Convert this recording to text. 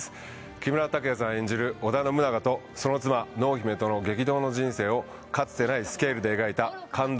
木村拓哉さん演じる織田信長とその妻濃姫との激動の人生をかつてないスケールで描いた感動